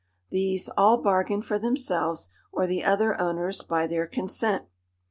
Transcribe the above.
These "all bargained for themselves, or the other owners by their consent."